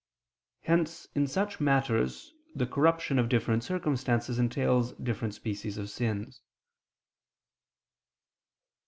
Hence in such matters, the corruption of different circumstances entails different species of sins.